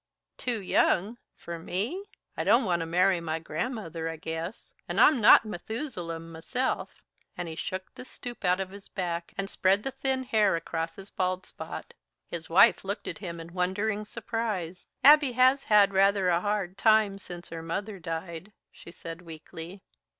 "Too young? For me? I don't want to marry my grandmother, I guess. And I'm not Methusalem myself," and he shook the stoop out of his back and spread the thin hair across his bald spot. His wife looked at him in wondering surprise. "Abby has had rather a hard time since her mother died," she said weakly.